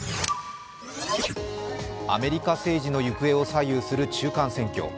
アメリカ政治の行方を左右する中間選挙。